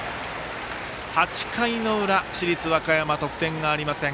８回の裏、市立和歌山得点がありません。